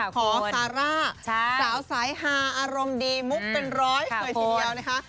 ขอซาร่าสาวสายฮาอารมณ์ดีมุกเป็นร้อยเลยทีเดียวนะคะ